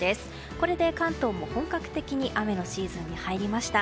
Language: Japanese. これで関東も本格的に雨のシーズンに入りました。